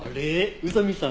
宇佐見さん